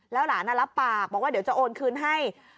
แล้วล่านล่ะลับปากบอกว่าเดี๋ยวจะโอนคืนให้